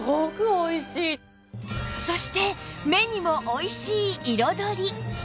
そして目にもおいしい彩り